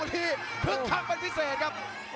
หัวจิตหัวใจแก่เกินร้อยครับ